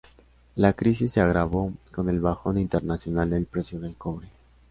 La crisis se agravó con el bajón internacional del precio del cobre.